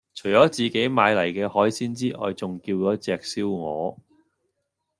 除左自己買黎既海鮮之外仲叫左隻燒鵝